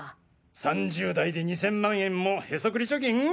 ３０代で２０００万円もヘソクリ貯金？